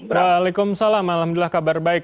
waalaikumsalam alhamdulillah kabar baik